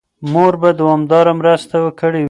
مور به دوامداره مرسته کړې وي.